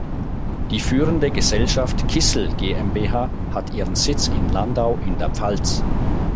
Die führende Gesellschaft "Kissel GmbH" hat ihren Sitz in Landau in der Pfalz.